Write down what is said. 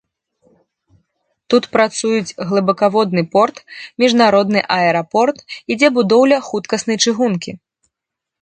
Тут працуюць глыбакаводны порт, міжнародны аэрапорт, ідзе будоўля хуткаснай чыгункі.